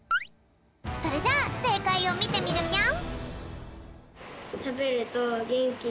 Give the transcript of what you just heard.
それじゃあせいかいをみてみるぴょん。